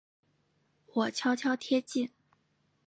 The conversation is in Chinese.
我悄悄贴近